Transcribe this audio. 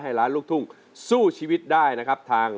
หยุดครับ